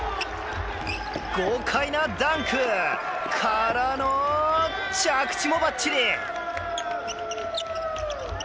豪華なダンク！からの着地もばっちり！